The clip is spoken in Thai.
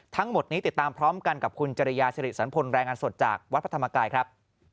ทั้งหมดนี้ติดตามพร้อมกันกับคุณจริยาสิริสันพลรายงานสดจากวัดพระธรรมกายครับ